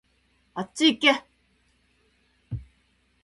あっちいけ